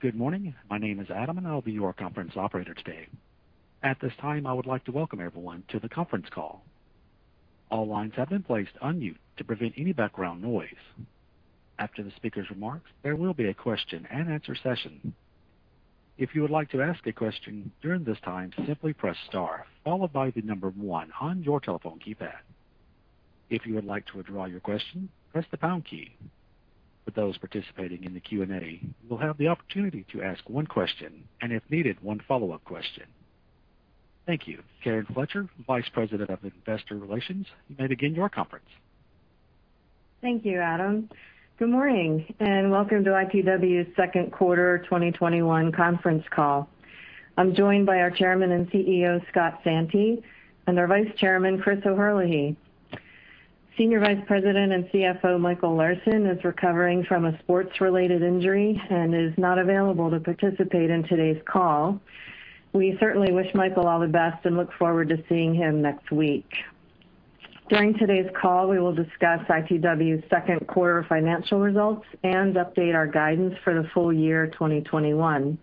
Good morning. My name is Adam, and I'll be your conference operator today. At this time, I would like to welcome everyone to the conference call. All lines have been placed on mute to prevent any background noise. After the speaker's remarks, there will be a question and answer session. If you would like to ask a question during this time, simply press star followed by the number 1 on your telephone keypad. If you would like to withdraw your question, press the pound key. For those participating in the Q&A, you will have the opportunity to ask 1 question and, if needed, 1 follow-up question. Thank you. Karen Fletcher, Vice President of Investor Relations, you may begin your conference. Thank you, Adam. Good morning, and welcome to ITW's second quarter 2021 conference call. I'm joined by our Chairman and CEO, E. Scott Santi, and our Vice Chairman, Christopher O'Herlihy. Senior Vice President and CFO Michael M. Larsen is recovering from a sports-related injury and is not available to participate in today's call. We certainly wish Michael all the best and look forward to seeing him next week. During today's call, we will discuss ITW's second quarter financial results and update our guidance for the full year 2021.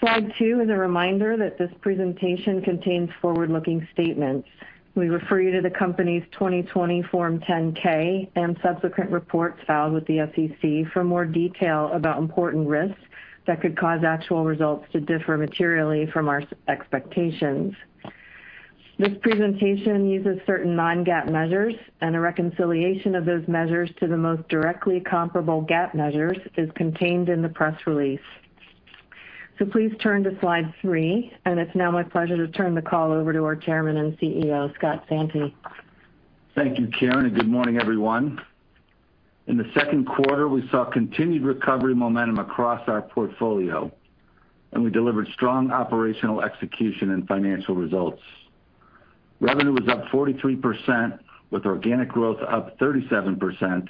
Slide two is a reminder that this presentation contains forward-looking statements. We refer you to the company's 2020 Form 10-K and subsequent reports filed with the SEC for more detail about important risks that could cause actual results to differ materially from our expectations. This presentation uses certain non-GAAP measures, and a reconciliation of those measures to the most directly comparable GAAP measures is contained in the press release. Please turn to slide three, and it's now my pleasure to turn the call over to our Chairman and CEO, Scott Santi. Thank you, Karen, and good morning, everyone. In the second quarter, we saw continued recovery momentum across our portfolio, and we delivered strong operational execution and financial results. Revenue was up 43%, with organic growth up 37%, and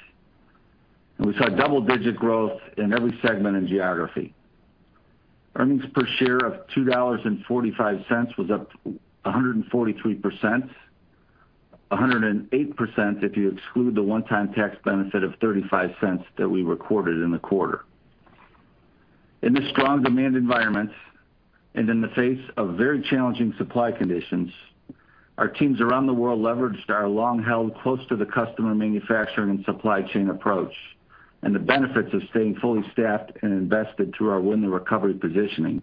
we saw double-digit growth in every segment and geography. Earnings per share of $2.45 was up 143%, 108% if you exclude the one-time tax benefit of $0.35 that we recorded in the quarter. In this strong demand environment and in the face of very challenging supply conditions, our teams around the world leveraged our long-held close to the customer manufacturing and supply chain approach and the benefits of staying fully staffed and invested through our win the recovery positioning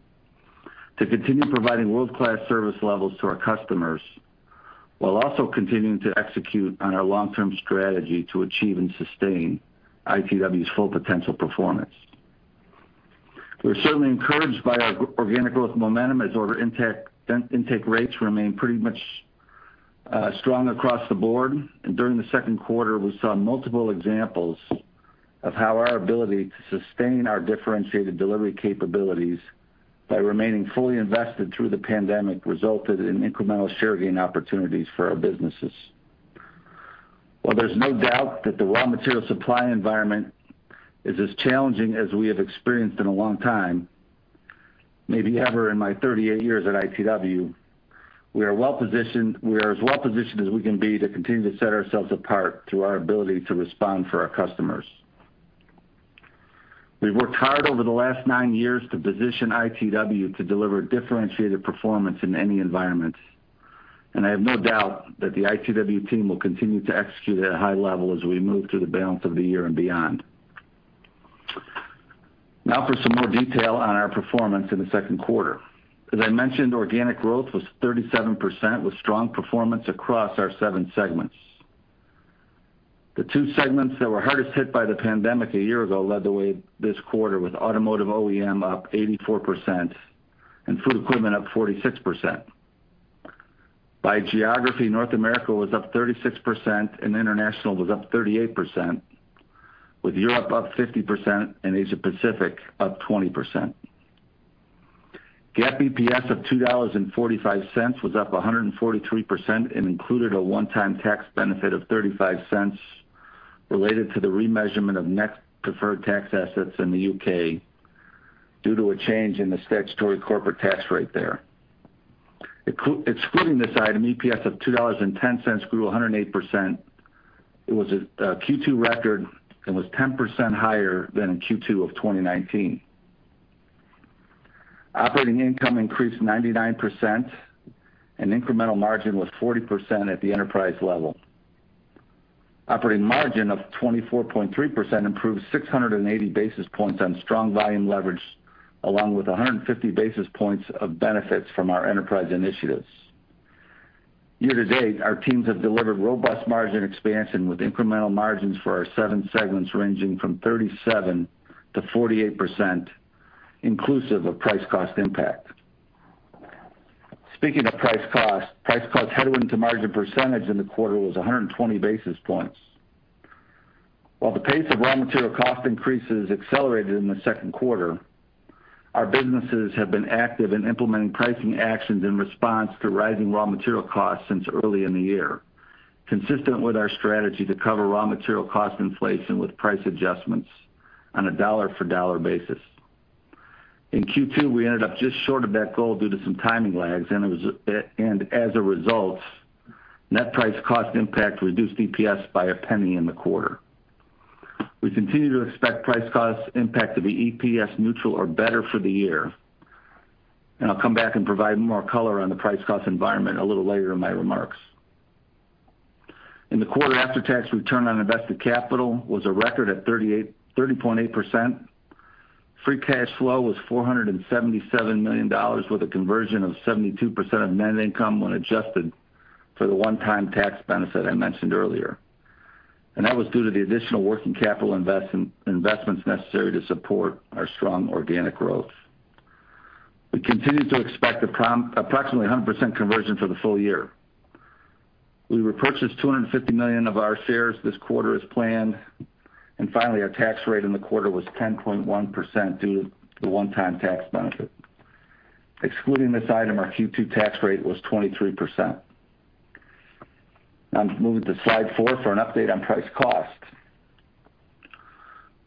to continue providing world-class service levels to our customers, while also continuing to execute on our long-term strategy to achieve and sustain ITW's full potential performance. We are certainly encouraged by our organic growth momentum as order intake rates remain pretty much strong across the board. During the second quarter, we saw multiple examples of how our ability to sustain our differentiated delivery capabilities by remaining fully invested through the pandemic resulted in incremental share gain opportunities for our businesses. There's no doubt that the raw material supply environment is as challenging as we have experienced in a long time, maybe ever in my 38 years at ITW, we are as well-positioned as we can be to continue to set ourselves apart through our ability to respond for our customers. We've worked hard over the last 9 years to position ITW to deliver differentiated performance in any environment, and I have no doubt that the ITW team will continue to execute at a high level as we move through the balance of the year and beyond. For some more detail on our performance in the second quarter. As I mentioned, organic growth was 37%, with strong performance across our seven segments. The two segments that were hardest hit by the pandemic a year ago led the way this quarter, with Automotive OEM up 84% and Food Equipment up 46%. By geography, North America was up 36% and International was up 38%, with Europe up 50% and Asia Pacific up 20%. GAAP EPS of $2.45 was up 143% and included a one-time tax benefit of $0.35 related to the remeasurement of net deferred tax assets in the U.K. due to a change in the statutory corporate tax rate there. Excluding this item, EPS of $2.10 grew 108%. It was a Q2 record and was 10% higher than in Q2 of 2019. Operating income increased 99%, and incremental margin was 40% at the enterprise level. Operating margin of 24.3% improved 680 basis points on strong volume leverage, along with 150 basis points of benefits from our enterprise initiatives. Year to date, our teams have delivered robust margin expansion, with incremental margins for our 7 segments ranging from 37%-48%, inclusive of price cost impact. Speaking of price cost, price cost headwind to margin percentage in the quarter was 120 basis points. While the pace of raw material cost increases accelerated in the second quarter, our businesses have been active in implementing pricing actions in response to rising raw material costs since early in the year, consistent with our strategy to cover raw material cost inflation with price adjustments on a dollar-for-dollar basis. In Q2, we ended up just short of that goal due to some timing lags, and as a result, net price cost impact reduced EPS by $0.01 in the quarter. We continue to expect price cost impact to be EPS neutral or better for the year. I'll come back and provide more color on the price cost environment a little later in my remarks. In the quarter, after-tax return on invested capital was a record at 30.8%. Free cash flow was $477 million, with a conversion of 72% of net income when adjusted for the one-time tax benefit I mentioned earlier. That was due to the additional working capital investments necessary to support our strong organic growth. We continue to expect approximately 100% conversion for the full year. We repurchased $250 million of our shares this quarter as planned. Finally, our tax rate in the quarter was 10.1% due to the one-time tax benefit. Excluding this item, our Q2 tax rate was 23%. Now I'm moving to slide four for an update on price cost.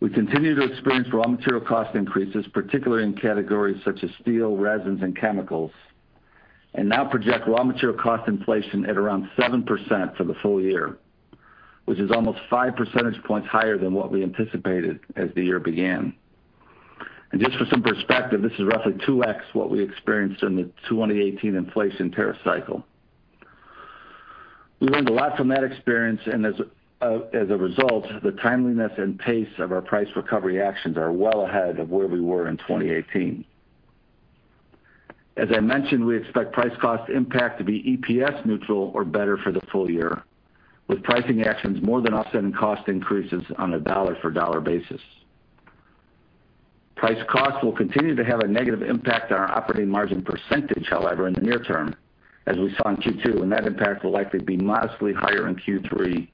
We continue to experience raw material cost increases, particularly in categories such as steel, resins, and chemicals, and now project raw material cost inflation at around 7% for the full year, which is almost 5 percentage points higher than what we anticipated as the year began. Just for some perspective, this is roughly 2x what we experienced in the 2018 inflation tariff cycle. We learned a lot from that experience, as a result, the timeliness and pace of our price recovery actions are well ahead of where we were in 2018. As I mentioned, we expect price cost impact to be EPS neutral or better for the full year, with pricing actions more than offsetting cost increases on a dollar-for-dollar basis. Price cost will continue to have a negative impact on our operating margin percentage, however, in the near term, as we saw in Q2, that impact will likely be modestly higher in Q3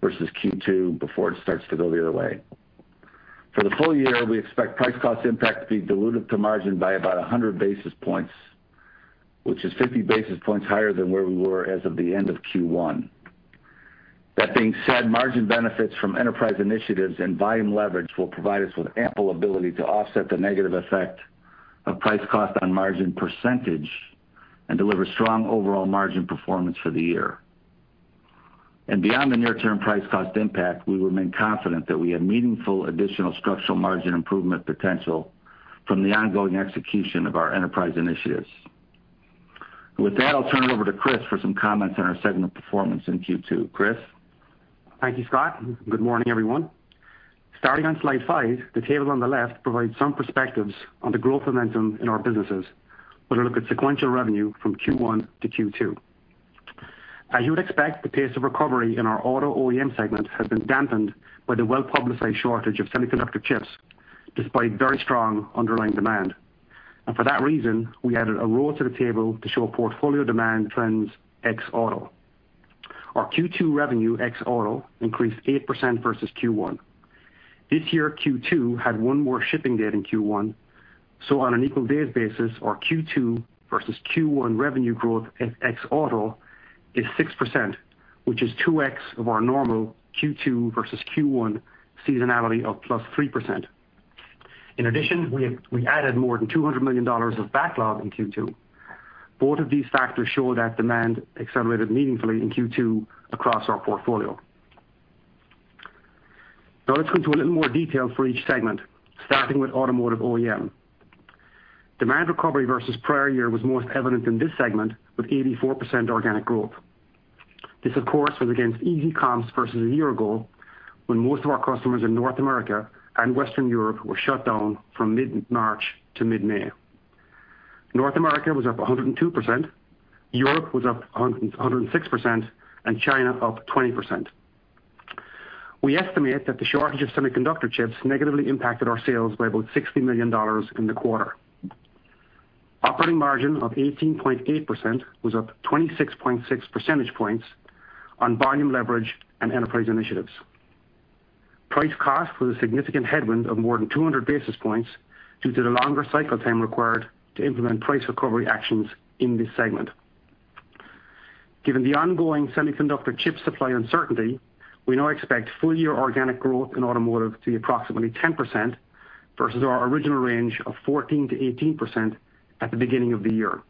versus Q2 before it starts to go the other way. For the full year, we expect price cost impact to be dilutive to margin by about 100 basis points, which is 50 basis points higher than where we were as of the end of Q1. That being said, margin benefits from enterprise initiatives and volume leverage will provide us with ample ability to offset the negative effect of price cost on margin percentage and deliver strong overall margin performance for the year. Beyond the near-term price cost impact, we remain confident that we have meaningful additional structural margin improvement potential from the ongoing execution of our enterprise initiatives. With that, I'll turn it over to Chris for some comments on our segment performance in Q2. Chris? Thank you, Scott. Good morning, everyone. Starting on slide five, the table on the left provides some perspectives on the growth momentum in our businesses with a look at sequential revenue from Q1 to Q2. As you would expect, the pace of recovery in our Automotive OEM segment has been dampened by the well-publicized shortage of semiconductor chips, despite very strong underlying demand. For that reason, we added a row to the table to show portfolio demand trends ex Auto. Our Q2 revenue ex Auto increased 8% versus Q1. This year, Q2 had 1 more shipping day than Q1, so on an equal days basis, our Q2 versus Q1 revenue growth ex Auto is 6%, which is 2x of our normal Q2 versus Q1 seasonality of +3%. In addition, we added more than $200 million of backlog in Q2. Both of these factors show that demand accelerated meaningfully in Q2 across our portfolio. Let's go into a little more detail for each segment, starting with Automotive OEM. Demand recovery versus prior year was most evident in this segment with 84% organic growth. This, of course, was against easy comps versus a year ago, when most of our customers in North America and Western Europe were shut down from mid-March to mid-May. North America was up 102%, Europe was up 106%, and China up 20%. We estimate that the shortage of semiconductor chips negatively impacted our sales by about $60 million in the quarter. Operating margin of 18.8% was up 26.6 percentage points on volume leverage and enterprise initiatives. price cost was a significant headwind of more than 200 basis points due to the longer cycle time required to implement price recovery actions in this segment. Given the ongoing semiconductor chip supply uncertainty, we now expect full-year organic growth in Automotive to be approximately 10% versus our original range of 14%-18% at the beginning of the year.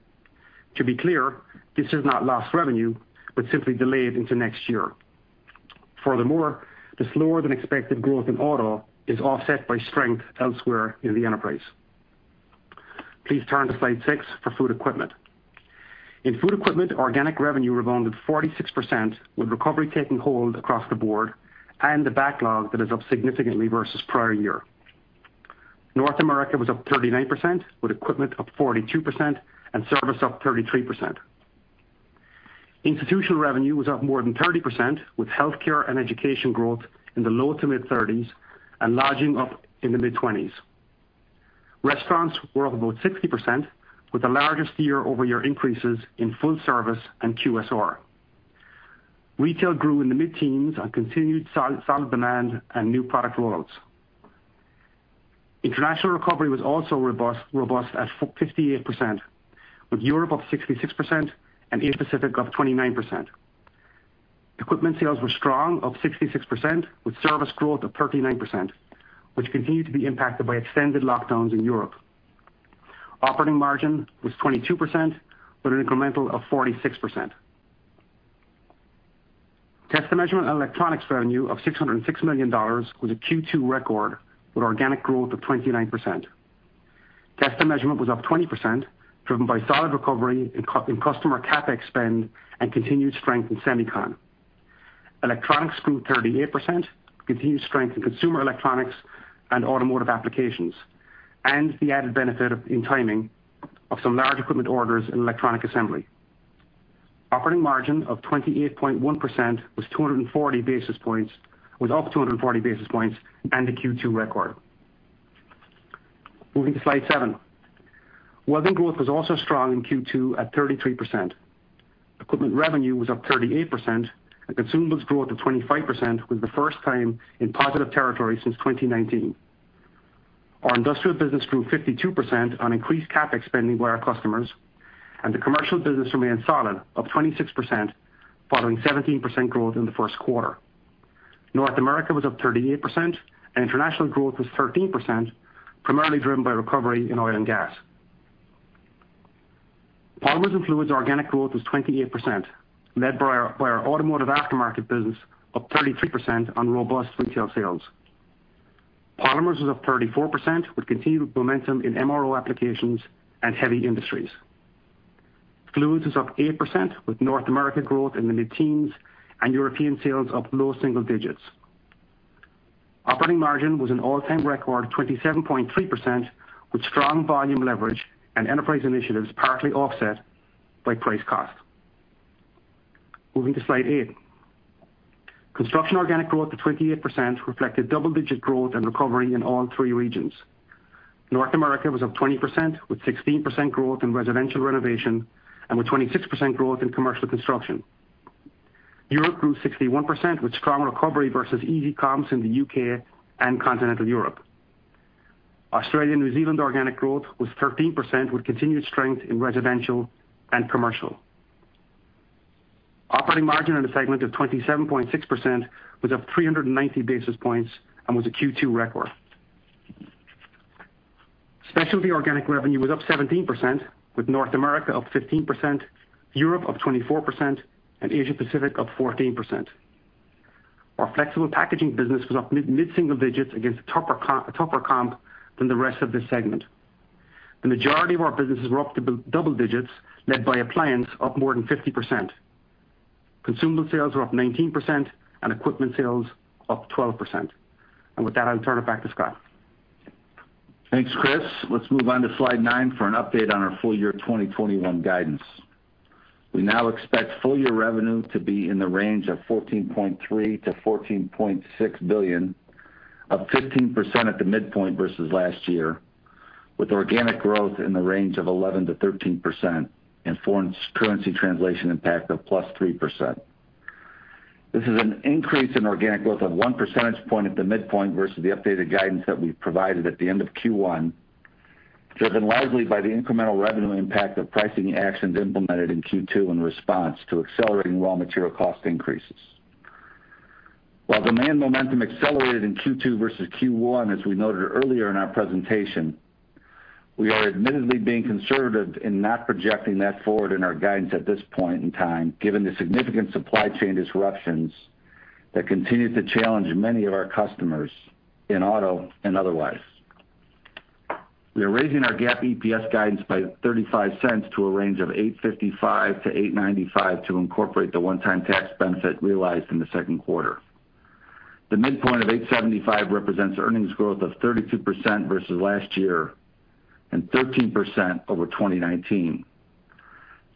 To be clear, this is not lost revenue, but simply delayed into next year. The slower than expected growth in Auto is offset by strength elsewhere in the enterprise. Please turn to slide six for Food Equipment. In Food Equipment, organic revenue rebounded 46%, with recovery taking hold across the board and the backlog that is up significantly versus prior year. North America was up 39%, with equipment up 42% and service up 33%. Institutional revenue was up more than 30%, with healthcare and education growth in the low-to-mid 30s, and lodging up in the mid-20s. Restaurants were up about 60%, with the largest year-over-year increases in full service and QSR. Retail grew in the mid-teens on continued solid demand and new product rollouts. International recovery was also robust at 58%, with Europe up 66% and Asia Pacific up 29%. Equipment sales were strong, up 66%, with service growth of 39%, which continued to be impacted by extended lockdowns in Europe. Operating margin was 22%, with an incremental of 46%. Test & Measurement and Electronics revenue of $606 million was a Q2 record with organic growth of 29%. Test & Measurement was up 20%, driven by solid recovery in customer CapEx spend and continued strength in semicon. Electronics grew 38%, continued strength in consumer electronics and automotive applications, and the added benefit in timing of some large equipment orders in electronic assembly. Operating margin of 28.1% was up 240 basis points and a Q2 record. Moving to slide seven. Welding growth was also strong in Q2 at 33%. Equipment revenue was up 38%, and consumables growth of 25% was the first time in positive territory since 2019. Our industrial business grew 52% on increased CapEx spending by our customers, and the commercial business remained solid, up 26%, following 17% growth in the first quarter. North America was up 38%, and international growth was 13%, primarily driven by recovery in oil and gas. Polymers & Fluids organic growth was 28%, led by our automotive aftermarket business, up 33% on robust retail sales. Polymers was up 34%, with continued momentum in MRO applications and heavy industries. Fluids was up 8%, with North America growth in the mid-teens and European sales up low single digits. Operating margin was an all-time record 27.3%, with strong volume leverage and enterprise initiatives partly offset by price cost. Moving to slide eight. Construction organic growth of 28% reflected double-digit growth and recovery in all three regions. North America was up 20%, with 16% growth in residential renovation and with 26% growth in commercial construction. Europe grew 61% with strong recovery versus easy comps in the U.K. and continental Europe. Australian and New Zealand organic growth was 13%, with continued strength in residential and commercial. Operating margin in the segment of 27.6% was up 390 basis points and was a Q2 record. Specialty organic revenue was up 17%, with North America up 15%, Europe up 24%, and Asia Pacific up 14%. Our flexible packaging business was up mid-single digits against a tougher comp than the rest of this segment. The majority of our businesses were up double digits, led by appliance, up more than 50%. Consumable sales were up 19%, and equipment sales up 12%. With that, I'll turn it back to Scott. Thanks, Chris. Let's move on to slide 9 for an update on our full year 2021 guidance. We now expect full-year revenue to be in the range of $14.3 billion-$14.6 billion, up 15% at the midpoint versus last year, with organic growth in the range of 11%-13% and foreign currency translation impact of +3%. This is an increase in organic growth of one percentage point at the midpoint versus the updated guidance that we provided at the end of Q1, driven largely by the incremental revenue impact of pricing actions implemented in Q2 in response to accelerating raw material cost increases. While demand momentum accelerated in Q2 versus Q1, as we noted earlier in our presentation, we are admittedly being conservative in not projecting that forward in our guidance at this point in time, given the significant supply chain disruptions that continue to challenge many of our customers in auto and otherwise. We are raising our GAAP EPS guidance by $0.35 to a range of $8.55 to $8.95 to incorporate the one-time tax benefit realized in the second quarter. The midpoint of $8.75 represents earnings growth of 32% versus last year and 13% over 2019.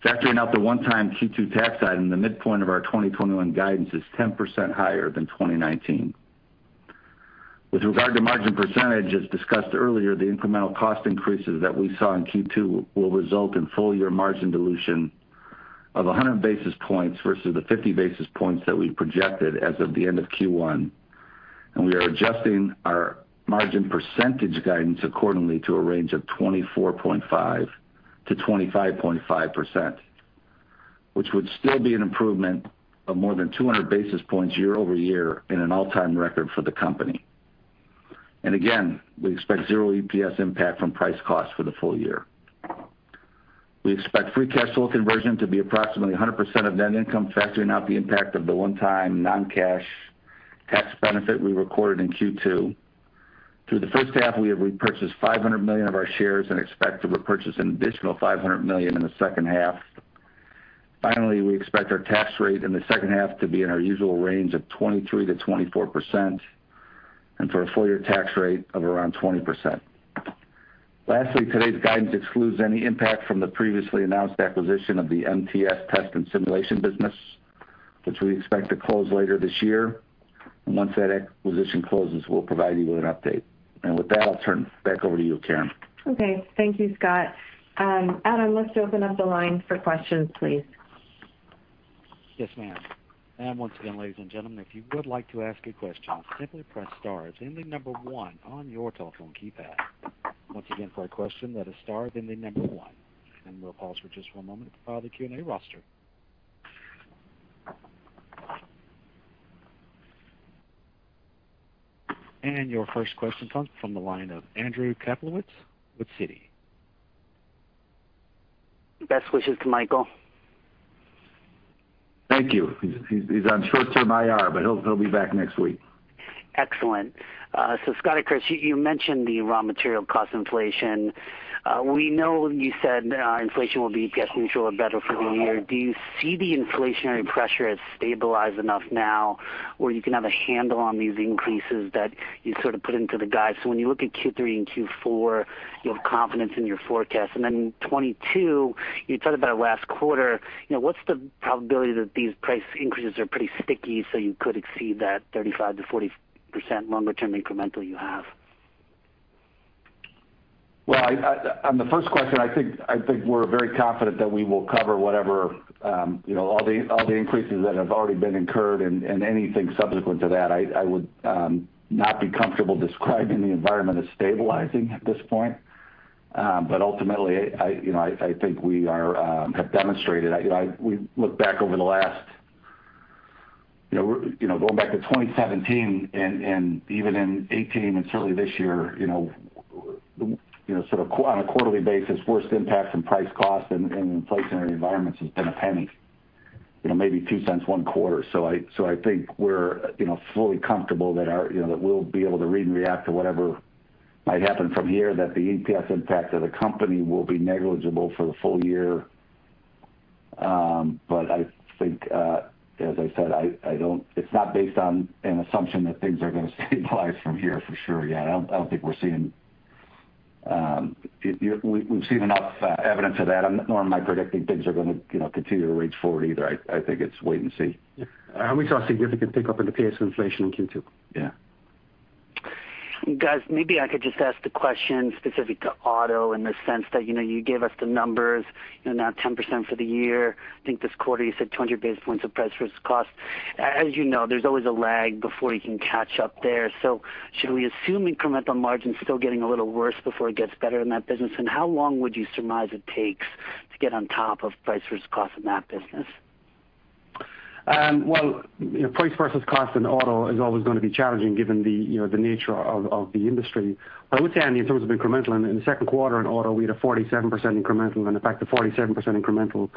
Factoring out the one-time Q2 tax item, the midpoint of our 2021 guidance is 10% higher than 2019. With regard to margin percentage, as discussed earlier, the incremental cost increases that we saw in Q2 will result in full-year margin dilution of 100 basis points versus the 50 basis points that we projected as of the end of Q1. We are adjusting our margin percentage guidance accordingly to a range of 24.5%-25.5%, which would still be an improvement of more than 200 basis points year-over-year and an all-time record for the company. Again, we expect zero EPS impact from price cost for the full year. We expect free cash flow conversion to be approximately 100% of net income, factoring out the impact of the one-time non-cash tax benefit we recorded in Q2. Through the first half, we have repurchased $500 million of our shares and expect to repurchase an additional $500 million in the second half. Finally, we expect our tax rate in the second half to be in our usual range of 23%-24% and for a full-year tax rate of around 20%. Lastly, today's guidance excludes any impact from the previously announced acquisition of the MTS test and simulation business, which we expect to close later this year. Once that acquisition closes, we'll provide you with an update. With that, I'll turn it back over to you, Karen. Okay. Thank you, Scott. Adam, let's open up the line for questions, please. Yes, ma'am. Once again, ladies and gentlemen, if you would like to ask a question, simply press star, then the number 1 on your telephone keypad. Once again, for a question, that is star, then the number 1. We'll pause for just 1 moment to file the Q&A roster. Your first question comes from the line of Andrew Kaplowitz with Citi. Best wishes to Michael. Thank you. He's on short-term IR, but he'll be back next week. Excellent. Scott and Chris, you mentioned the raw material cost inflation. We know you said inflation will be getting sure better for the year. Do you see the inflationary pressure has stabilized enough now where you can have a handle on these increases that you sort of put into the guide? When you look at Q3 and Q4, you have confidence in your forecast. 2022, you talked about it last quarter, what's the probability that these price increases are pretty sticky, so you could exceed that 35%-40% longer-term incremental you have? Well, on the first question, I think we're very confident that we will cover all the increases that have already been incurred and anything subsequent to that. I would not be comfortable describing the environment as stabilizing at this point. Ultimately, I think we have demonstrated. We look back over the last Going back to 2017 and even in 2018 and certainly this year, on a quarterly basis, worst impacts in price cost and inflationary environments has been $0.01. Maybe $0.02 one quarter. I think we're fully comfortable that we'll be able to read and react to whatever might happen from here, that the EPS impact of the company will be negligible for the full year. I think, as I said, it's not based on an assumption that things are going to stabilize from here for sure yet. I don't think we've seen enough evidence of that. Nor am I predicting things are going to continue to reach forward either. I think it's wait and see. Yeah. We saw a significant pickup in the pace of inflation in Q2. Yeah. Guys, maybe I could just ask the question specific to auto in the sense that you gave us the numbers, now 10% for the year. I think this quarter you said 200 basis points of price versus cost. As you know, there's always a lag before you can catch up there. Should we assume incremental margins still getting a little worse before it gets better in that business? How long would you surmise it takes to get on top of price versus cost in that business? Well, price versus cost in auto is always going to be challenging given the nature of the industry. I would say, Andy, in terms of incremental, in the second quarter in auto, we had a 47% incremental and in fact a 47% incremental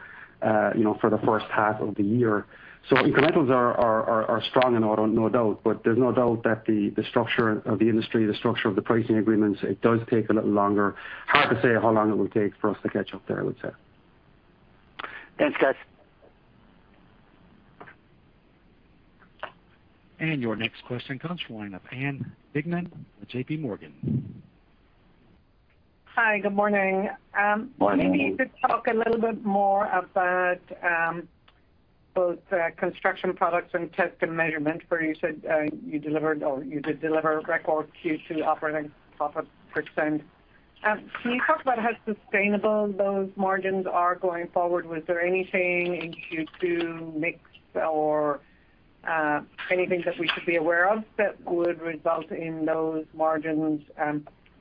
for the first half of the year. Incrementals are strong in auto, no doubt. There's no doubt that the structure of the industry, the structure of the pricing agreements, it does take a little longer. Hard to say how long it will take for us to catch up there, I would say. Thanks, guys. Your next question comes from the line of Ann Duignan with JPMorgan. Hi, good morning. Morning. Maybe you could talk a little bit more about both Construction Products and Test and Measurement where you said you did deliver record Q2 operating profit percent. Can you talk about how sustainable those margins are going forward? Was there anything in Q2 mix or anything that we should be aware of that would result in those margins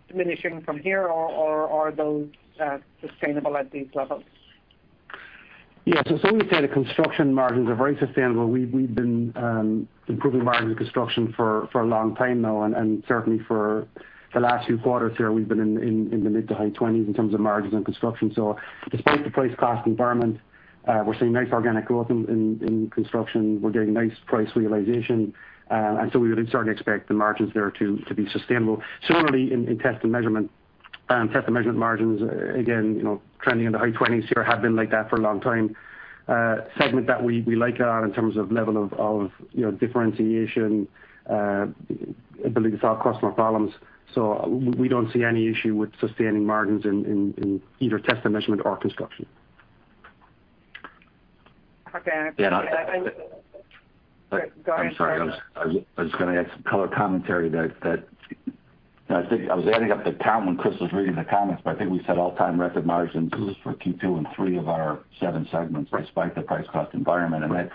diminishing from here, or are those sustainable at these levels? Yeah. As I said, the Construction margins are very sustainable. We've been improving margins in Construction for a long time now, and certainly for the last two quarters here, we've been in the mid-to-high 20s in terms of margins in Construction. Despite the price cost environment, we're seeing nice organic growth in Construction. We're getting nice price realization. We would certainly expect the margins there to be sustainable. Similarly, in Test and Measurement margins, again, trending in the high 20s here, have been like that for a long time, a segment that we like in terms of level of differentiation, ability to solve customer problems. We don't see any issue with sustaining margins in either Test and Measurement or Construction. Okay. Yeah. Go ahead. I'm sorry. I was going to add some color commentary that I was adding up the count when Chris was reading the comments, but I think we said all-time record margins for Q2 in three of our seven segments despite the price cost environment.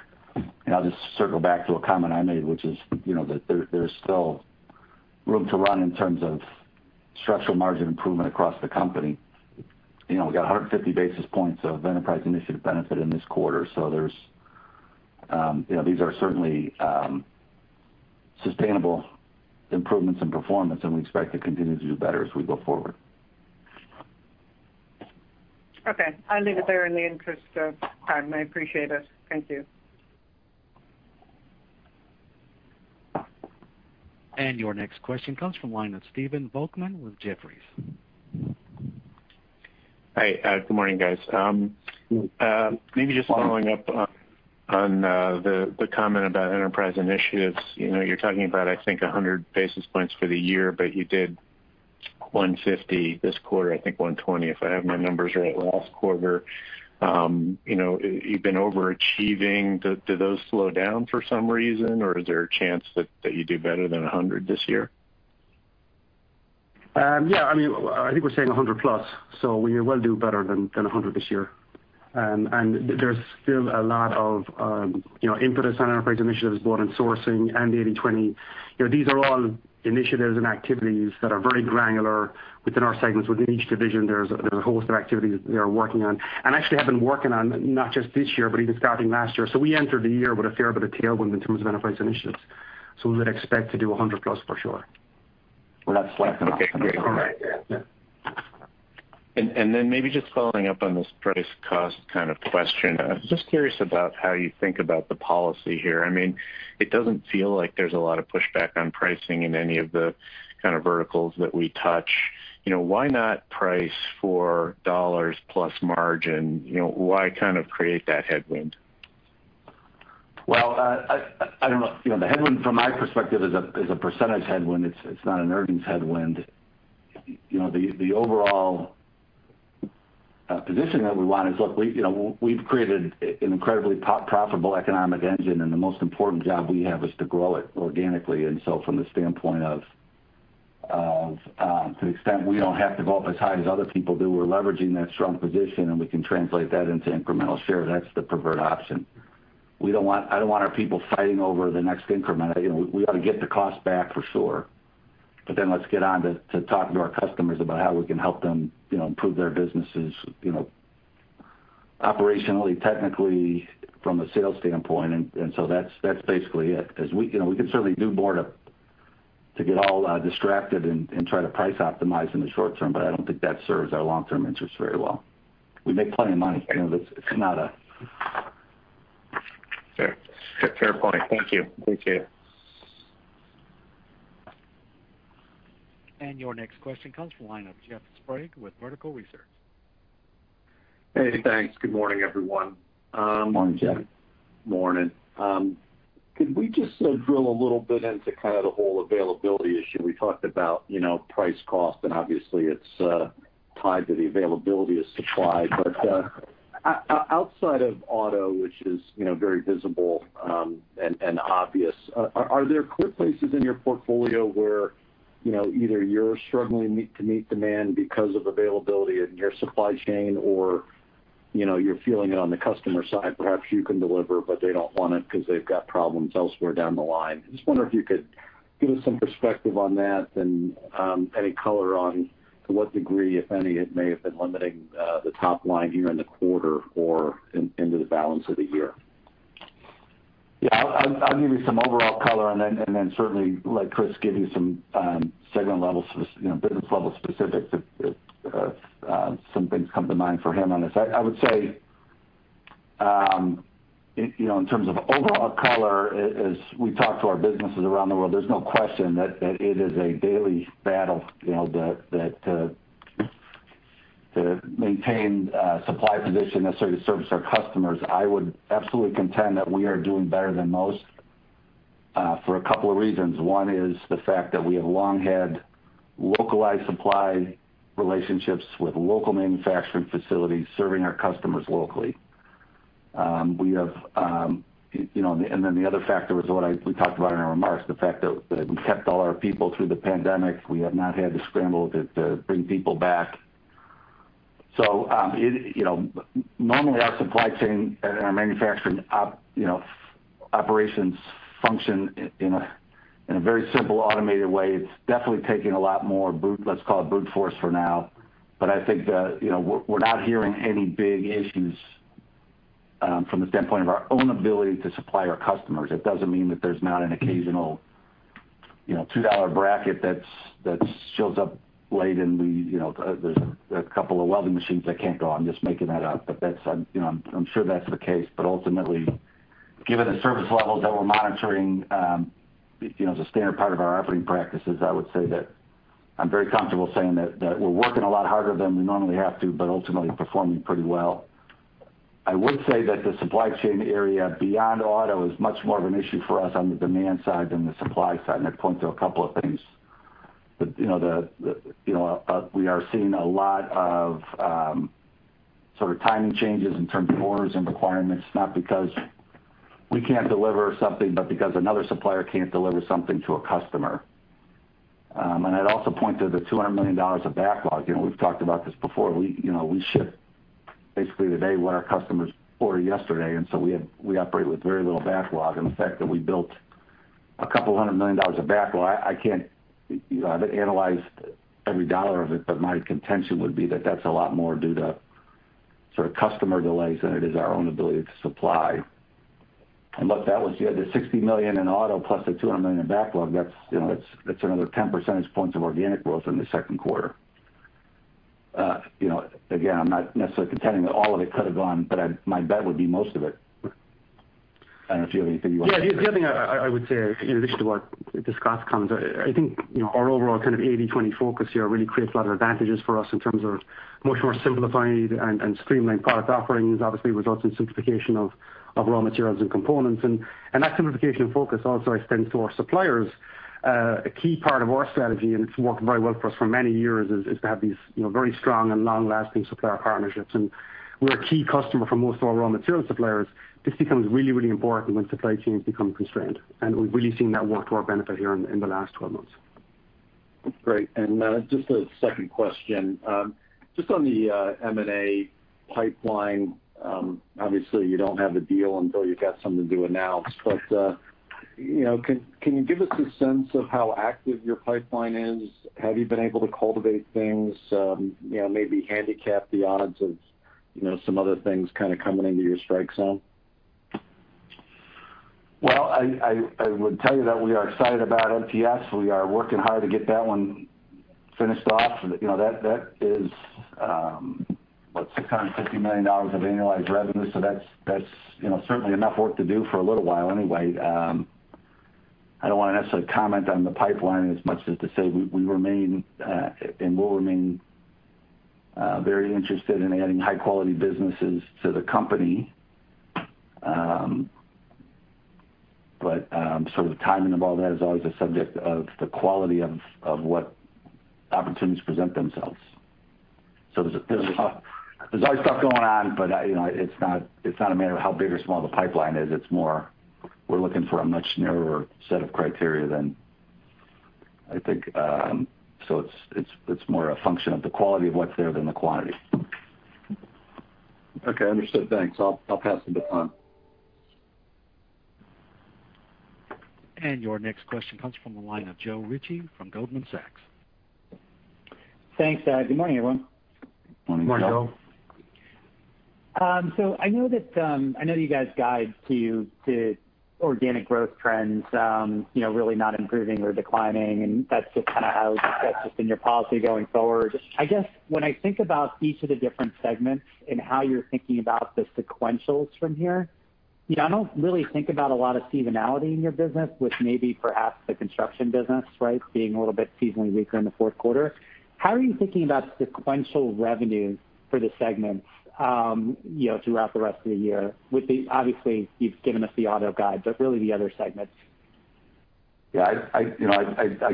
I'll just circle back to a comment I made, which is that there's still room to run in terms of structural margin improvement across the company. We got 150 basis points of enterprise initiative benefit in this quarter. These are certainly sustainable improvements in performance, and we expect to continue to do better as we go forward. Okay. I leave it there in the interest of time. I appreciate it. Thank you. Your next question comes from the line of Stephen Volkmann with Jefferies. Hi. Good morning, guys. Maybe just following up on the comment about Enterprise Initiatives. You're talking about, I think, 100 basis points for the year, but you did 150 this quarter, I think 120, if I have my numbers right, last quarter. You've been overachieving. Do those slow down for some reason, or is there a chance that you do better than 100 this year? Yeah. I think we're saying 100-plus, so we will do better than 100 this year. There's still a lot of impetus on enterprise initiatives, both in sourcing and the 80/20. These are all initiatives and activities that are very granular within our segments. Within each division, there's a host of activities they are working on, and actually have been working on, not just this year, but even starting last year. We entered the year with a fair bit of tailwind in terms of enterprise initiatives. We would expect to do 100-plus for sure. Well, that's less than 100. Okay, great. All right. Yeah. Yeah. Then maybe just following up on this price cost kind of question. I was just curious about how you think about the policy here. It doesn't feel like there's a lot of pushback on pricing in any of the kind of verticals that we touch. Why not price for dollars plus margin? Why kind of create that headwind? Well, I don't know. The headwind from my perspective is a percentage headwind. It's not an earnings headwind. The overall position that we want is, look, we've created an incredibly profitable economic engine, and the most important job we have is to grow it organically. From the standpoint of, to the extent we don't have to go up as high as other people do, we're leveraging that strong position, and we can translate that into incremental share. That's the preferred option. I don't want our people fighting over the next increment. We ought to get the cost back for sure, but then let's get on to talking to our customers about how we can help them improve their businesses operationally, technically, from a sales standpoint, and so that's basically it. We can certainly do more to get all distracted and try to price optimize in the short term, but I don't think that serves our long-term interests very well. We make plenty of money. It's not a. Fair point. Thank you. Take care. Your next question comes from the line of Jeff Sprague with Vertical Research. Hey, thanks. Good morning, everyone. Morning, Jeff. Morning. Could we just drill a little bit into kind of the whole availability issue? We talked about price cost. Obviously it's tied to the availability of supply. Outside of auto, which is very visible and obvious, are there places in your portfolio where either you're struggling to meet demand because of availability in your supply chain, or you're feeling it on the customer side? Perhaps you can deliver, but they don't want it because they've got problems elsewhere down the line. I just wonder if you could give us some perspective on that and any color on to what degree, if any, it may have been limiting the top line here in the quarter or into the balance of the year. I'll give you some overall color and then certainly let Chris give you some segment level, business level specifics if some things come to mind for him on this. I would say, in terms of overall color, as we talk to our businesses around the world, there's no question that it is a daily battle to maintain supply position necessary to service our customers. I would absolutely contend that we are doing better than most for a couple of reasons. One is the fact that we have long had localized supply relationships with local manufacturing facilities serving our customers locally. The other factor is what we talked about in our remarks, the fact that we kept all our people through the pandemic. We have not had to scramble to bring people back. Normally our supply chain and our manufacturing operations function in a very simple, automated way. It's definitely taking a lot more, let's call it brute force for now. I think that we're not hearing any big issues from the standpoint of our own ability to supply our customers. It doesn't mean that there's not an occasional $2 bracket that shows up late. There's a couple of Welding machines that can't go. I'm just making that up, but I'm sure that's the case. Ultimately, given the service levels that we're monitoring as a standard part of our operating practices, I would say that I'm very comfortable saying that we're working a lot harder than we normally have to, but ultimately performing pretty well. I would say that the supply chain area beyond auto is much more of an issue for us on the demand side than the supply side, and I'd point to a couple of things. We are seeing a lot of sort of timing changes in terms of orders and requirements, not because we can't deliver something, but because another supplier can't deliver something to a customer. I'd also point to the $200 million of backlog. We've talked about this before. We ship basically today what our customers ordered yesterday, we operate with very little backlog. The fact that we built $200 million of backlog, I haven't analyzed every dollar of it, but my contention would be that that's a lot more due to sort of customer delays than it is our own ability to supply. Look, that was the $60 million in auto plus the $200 million in backlog. That's another 10 percentage points of organic growth in the second quarter. I'm not necessarily contending that all of it could have gone, but my bet would be most of it. Yeah. The other thing I would say in addition to what just got said, I think our overall kind of 80/20 focus here really creates a lot of advantages for us in terms of much more simplified and streamlined product offerings, obviously results in simplification of raw materials and components. That simplification focus also extends to our suppliers. A key part of our strategy, and it's worked very well for us for many years, is to have these very strong and long-lasting supplier partnerships. We're a key customer for most of our raw material suppliers. This becomes really, really important when supply chains become constrained, and we've really seen that work to our benefit here in the last 12 months. Great. Just a second question. Just on the M&A pipeline, obviously you don't have a deal until you've got something to announce, Can you give us a sense of how active your pipeline is? Have you been able to cultivate things? Maybe handicap the odds of some other things kind of coming into your strike zone? Well, I would tell you that we are excited about MTS. We are working hard to get that one finished off. That is, what? $650 million of annualized revenue. That's certainly enough work to do for a little while anyway. I don't want to necessarily comment on the pipeline as much as to say we remain, and will remain, very interested in adding high-quality businesses to the company. Sort of the timing of all that is always a subject of the quality of what opportunities present themselves. There's always stuff going on, but it's not a matter of how big or small the pipeline is. We're looking for a much narrower set of criteria than I think. It's more a function of the quality of what's there than the quantity. Okay, understood. Thanks. I'll pass it to Don. Your next question comes from the line of Joe Ritchie from Goldman Sachs. Thanks. Good morning, everyone. Morning, Joe. Morning, Joe. I know you guys guide to organic growth trends really not improving or declining, and that's just kind of how that's just been your policy going forward. I guess when I think about each of the different segments and how you're thinking about the sequentials from here, I don't really think about a lot of seasonality in your business, with maybe perhaps the construction business, right, being a little bit seasonally weaker in the fourth quarter. Obviously, you've given us the auto guide, but really the other segments? Yeah, I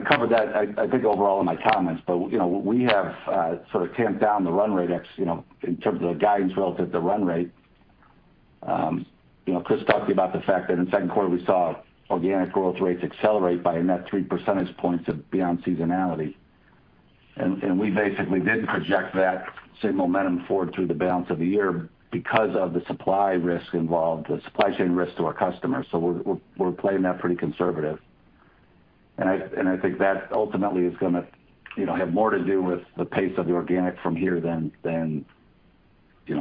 covered that I think overall in my comments. We have sort of tamped down the run rate in terms of the guidance relative to run rate. Chris talked to you about the fact that in the second quarter we saw organic growth rates accelerate by a net 3 percentage points beyond seasonality. We basically didn't project that same momentum forward through the balance of the year because of the supply risk involved, the supply chain risk to our customers. We're playing that pretty conservative. I think that ultimately is going to have more to do with the pace of the organic from here than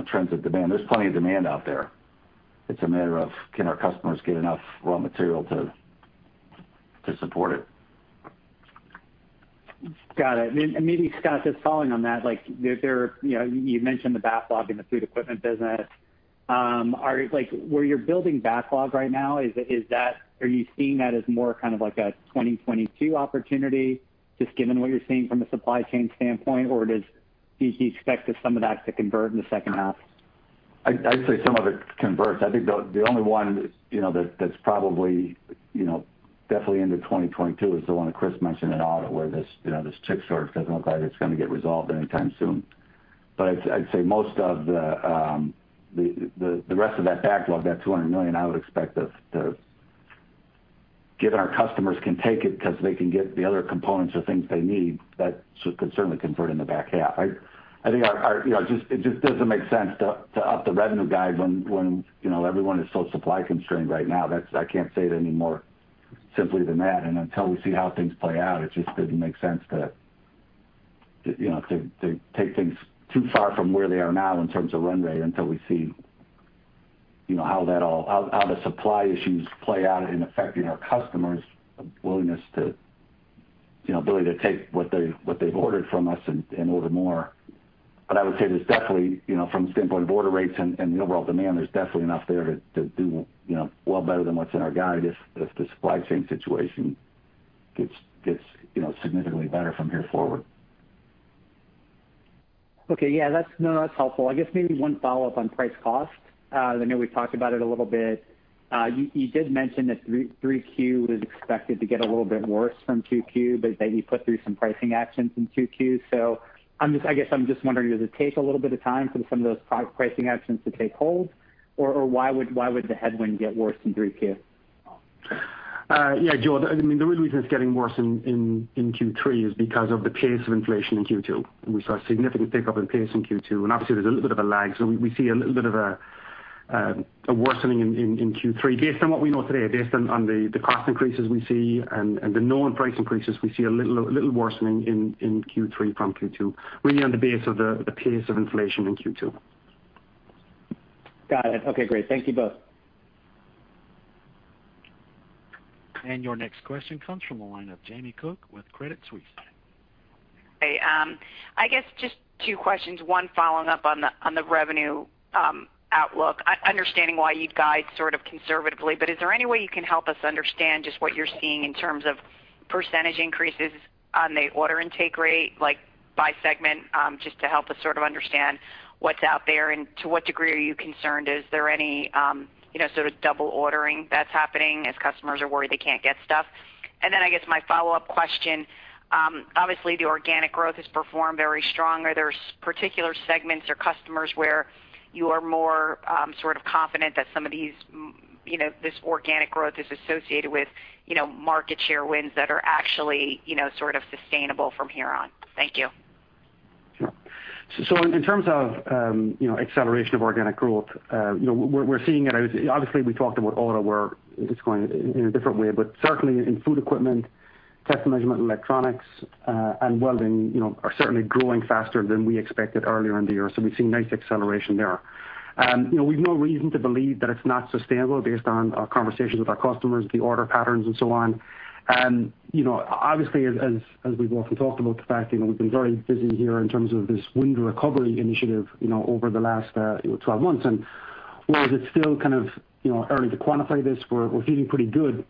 trends of demand. There's plenty of demand out there. It's a matter of can our customers get enough raw material to support it. Got it. Maybe, Scott, just following on that, you mentioned the backlog in the Food Equipment business. Where you're building backlog right now, are you seeing that as more kind of like a 2022 opportunity, just given what you're seeing from a supply chain standpoint? Do you expect some of that to convert in the second half? I'd say some of it converts. I think the only one that's probably definitely into 2022 is the one that Chris mentioned in auto, where this chip shortage doesn't look like it's going to get resolved anytime soon. I'd say most of the rest of that backlog, that $200 million, I would expect that given our customers can take it because they can get the other components or things they need, that could certainly convert in the back half. I think it just doesn't make sense to up the revenue guide when everyone is so supply constrained right now. I can't say it any more simply than that. Until we see how things play out, it just doesn't make sense to take things too far from where they are now in terms of run rate until we see how the supply issues play out in affecting our customers' willingness to take what they've ordered from us and order more. I would say there's definitely, from the standpoint of order rates and the overall demand, there's definitely enough there to do well better than what's in our guide if the supply chain situation gets significantly better from here forward. Okay. Yeah. No, that's helpful. I guess maybe one follow-up on price cost. I know we've talked about it a little bit. You did mention that 3Q was expected to get a little bit worse from 2Q, but that you put through some pricing actions in 2Q. I guess I'm just wondering, does it take a little bit of time for some of those pricing actions to take hold? Or why would the headwind get worse in 3Q? Yeah, Joe, the only reason it's getting worse in Q3 is because of the pace of inflation in Q2. We saw a significant pickup in pace in Q2. Obviously there's a little bit of a lag. We see a little bit of a worsening in Q3 based on what we know today, based on the cost increases we see and the known price increases, we see a little worsening in Q3 from Q2, really on the base of the pace of inflation in Q2. Got it. Okay, great. Thank you both. Your next question comes from the line of Jamie Cook with Credit Suisse. Hey. I guess just two questions. One following up on the revenue outlook, understanding why you'd guide sort of conservatively. Is there any way you can help us understand just what you're seeing in terms of percentage increases on the order intake rate, like by segment, just to help us sort of understand what's out there, and to what degree are you concerned? Is there any sort of double ordering that's happening as customers are worried they can't get stuff? I guess my follow-up question, obviously the organic growth has performed very strong. Are there particular segments or customers where you are more sort of confident that some of this organic growth is associated with market share wins that are actually sort of sustainable from here on? Thank you. In terms of acceleration of organic growth, we're seeing it. We talked about auto, where it's going in a different way, but certainly in Food Equipment, Test & Measurement and Electronics, and Welding are certainly growing faster than we expected earlier in the year. We've seen nice acceleration there. We've no reason to believe that it's not sustainable based on our conversations with our customers, the order patterns and so on. As we've often talked about the fact, we've been very busy here in terms of this win the recovery initiative over the last 12 months. Whereas it's still kind of early to quantify this, we're feeling pretty good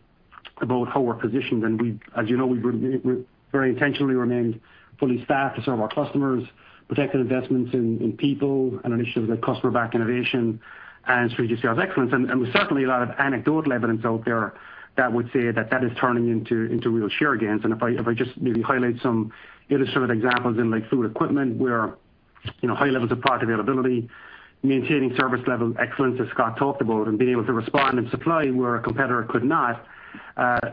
about how we're positioned. As you know, we've very intentionally remained fully staffed to serve our customers, protected investments in people, and initiatives like customer-backed innovation and strategic sales excellence. There's certainly a lot of anecdotal evidence out there that would say that that is turning into real share gains. If I just maybe highlight some illustrative examples in Food Equipment, where high levels of product availability, maintaining service level excellence, as Scott talked about, and being able to respond and supply where a competitor could not,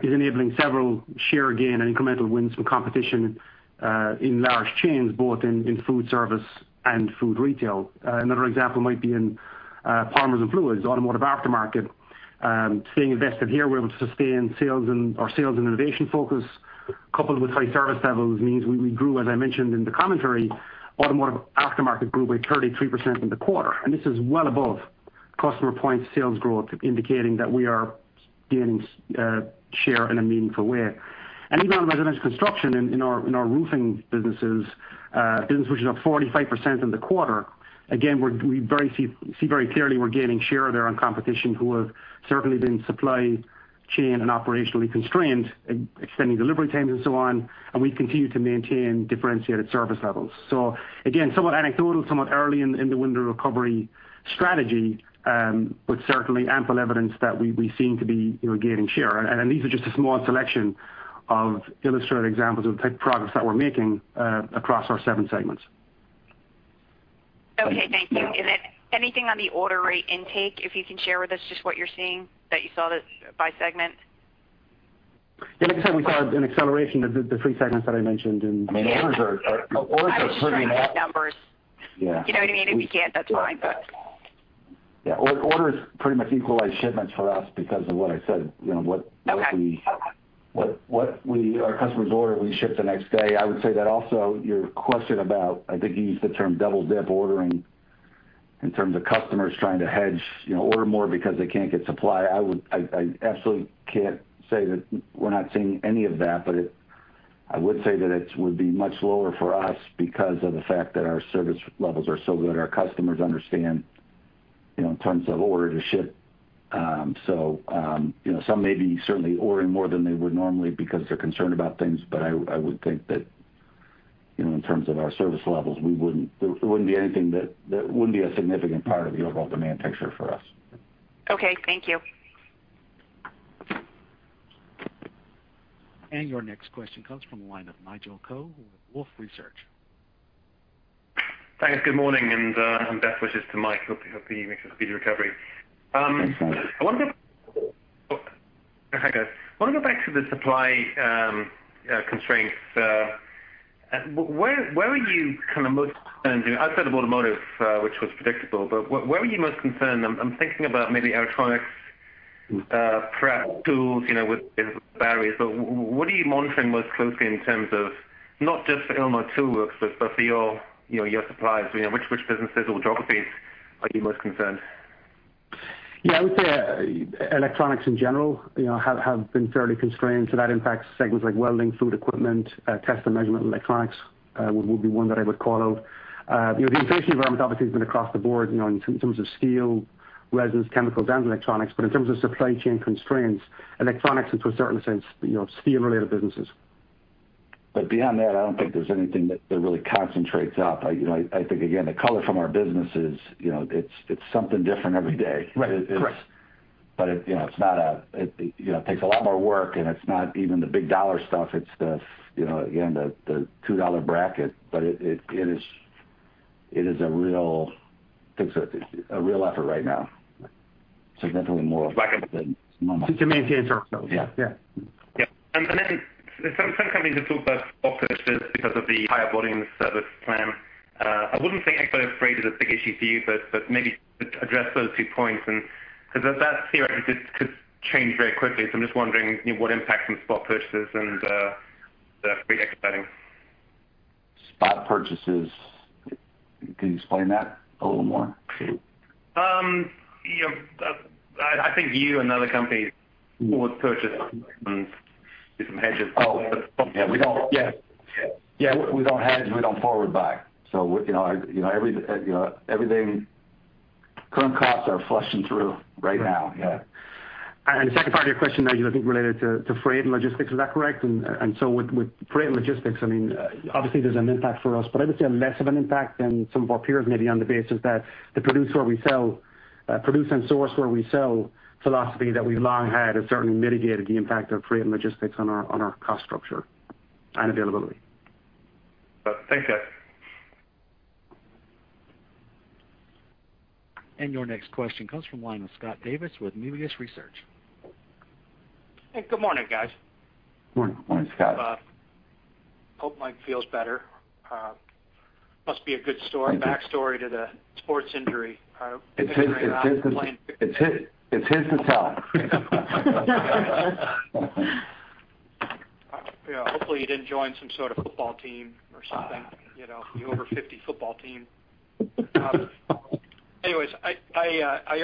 is enabling several share gain and incremental wins from competition in large chains, both in food service and food retail. Another example might be in Polymers & Fluids, automotive aftermarket. Staying invested here, we're able to sustain our sales and innovation focus, coupled with high service levels, means we grew, as I mentioned in the commentary, automotive aftermarket grew by 33% in the quarter, and this is well above customer points sales growth, indicating that we are gaining share in a meaningful way. Even on residential construction in our roofing businesses, business, which is up 45% in the quarter, again, we see very clearly we're gaining share there on competition who have certainly been supply chain and operationally constrained, extending delivery times and so on, and we continue to maintain differentiated service levels. Again, somewhat anecdotal, somewhat early in the win the recovery strategy, but certainly ample evidence that we seem to be gaining share. These are just a small selection of illustrative examples of the type of progress that we're making across our seven segments. Okay, thank you. Anything on the order rate intake, if you can share with us just what you're seeing, that you saw by segment? The only segment we saw an acceleration is the three segments that I mentioned. Yeah. I mean, orders are pretty much I was trying to get numbers. Yeah. You know what I mean? If you can't, that's fine, but Yeah. Orders pretty much equalize shipments for us because of what I said. Okay. What our customers order, we ship the next day. I would say that also your question about, I think you used the term double-dip ordering in terms of customers trying to hedge, order more because they can't get supply. I absolutely can't say that we're not seeing any of that, but I would say that it would be much lower for us because of the fact that our service levels are so good. Our customers understand in terms of order to ship. Some may be certainly ordering more than they would normally because they're concerned about things, but I would think that in terms of our service levels, there wouldn't be a significant part of the overall demand picture for us. Okay, thank you. Your next question comes from the line of Nigel Coe with Wolfe Research. Thanks. Good morning, best wishes to Mike. Hope he makes a speedy recovery. Thanks. Hi, guys. I want to go back to the supply constraints. Where are you kind of most concerned, outside of automotive, which was predictable, where are you most concerned? I'm thinking about maybe electronics, perhaps tools, with batteries. What are you monitoring most closely in terms of not just for Illinois Tool Works, but for your suppliers? Which businesses or geographies are you most concerned? I would say electronics in general have been fairly constrained, so that impacts segments like Welding, Food Equipment. Test & Measurement and Electronics would be one that I would call out. The inflation environment obviously has been across the board in terms of steel, resins, chemicals, and electronics. In terms of supply chain constraints, electronics and to a certain sense steel-related businesses. Beyond that, I don't think there's anything that really concentrates up. I think again, the color from our businesses, it's something different every day. Right. Correct. It takes a lot more work, and it's not even the big dollar stuff. It's the $2 bracket, but it takes a real effort right now. Back end. than normal. Just to maintain service levels. Yeah. Yeah. Yeah. Then some companies have talked about spot purchases because of the higher volumes service plan. I wouldn't think export freight is a big issue for you. Maybe address those two points, because that theoretically could change very quickly. I'm just wondering what impact from spot purchases and freight expediting. Spot purchases. Can you explain that a little more? I think you and other companies would purchase and do some hedges. Oh. Yeah, we don't. Yeah. We don't hedge, we don't forward buy. Current costs are flushing through right now. Yeah. The second part of your question, Nigel, I think related to freight and logistics, is that correct? With freight and logistics, obviously there's an impact for us, but I would say less of an impact than some of our peers maybe on the basis that the produce and source where we sell philosophy that we've long had has certainly mitigated the impact of freight and logistics on our cost structure and availability. Thanks, guys. Your next question comes from the line of Scott Davis with Melius Research. Hey, good morning, guys. Morning, Scott. Hope Mike feels better. Must be a good backstory to the sports injury. It's his to tell. Yeah. Hopefully you didn't join some sort of football team or something, the over 50 football team. I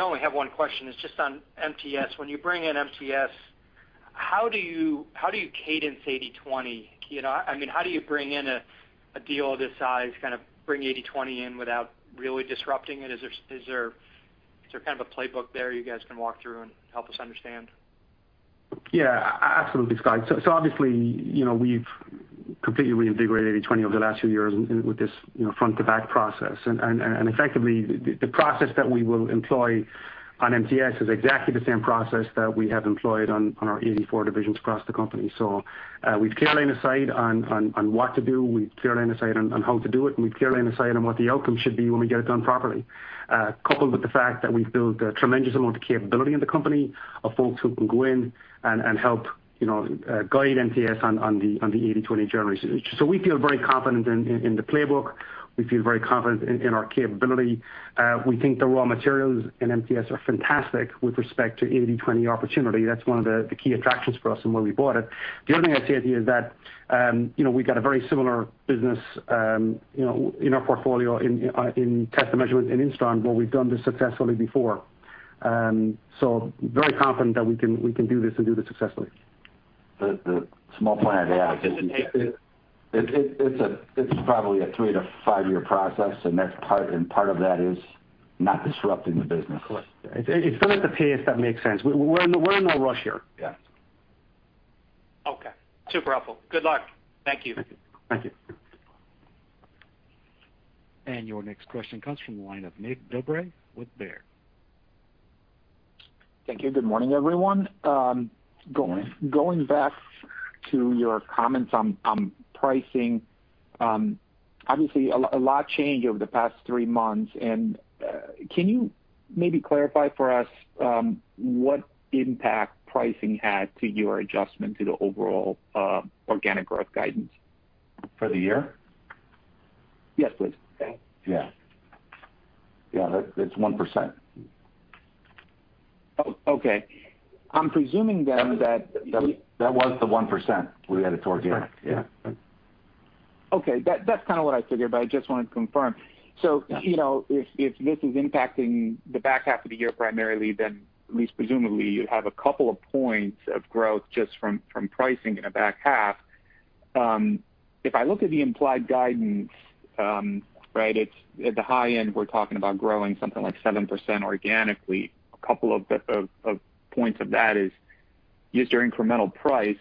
only have one question. It's just on MTS. When you bring in MTS, how do you cadence 80/20? How do you bring in a deal of this size, kind of bring 80/20 in without really disrupting it? Is there kind of a playbook there you guys can walk through and help us understand? Yeah, absolutely, Scott. Obviously, we've completely reinvigorated 80/20 over the last few years with this front to back process. Effectively, the process that we will employ on MTS is exactly the same process that we have employed on our 84 divisions across the company. We've clear line of sight on what to do, we've clear line of sight on how to do it, and we've clear line of sight on what the outcome should be when we get it done properly. Coupled with the fact that we've built a tremendous amount of capability in the company of folks who can go in and help guide MTS on the 80/20 journey. We feel very confident in the playbook. We feel very confident in our capability. We think the raw materials in MTS are fantastic with respect to 80/20 opportunity. That's one of the key attractions for us and why we bought it. The other thing I'd say to you is that we've got a very similar business in our portfolio in Test & Measurement in Instron, where we've done this successfully before. Very confident that we can do this and do this successfully. The small point I'd add, it's probably a 3 to 5-year process, and part of that is not disrupting the business. Correct. It's done at the pace that makes sense. We're in no rush here. Yeah. Okay. Super helpful. Good luck. Thank you. Thank you. Your next question comes from the line of Nicole DeBlase with Baird. Thank you. Good morning, everyone. Morning. Going back to your comments on pricing. Obviously, a lot changed over the past three months. Can you maybe clarify for us what impact pricing had to your adjustment to the overall organic growth guidance? For the year? Yes, please. Yeah. It's 1%. Oh, okay. I'm presuming then that- That was the 1% we added to our guidance. Yeah. Okay. That's kind of what I figured, but I just wanted to confirm. Yeah If this is impacting the back half of the year primarily, then at least presumably you have two points of growth just from pricing in the back half. If I look at the implied guidance, at the high end, we're talking about growing something like 7% organically. 2 points of that is just your incremental price.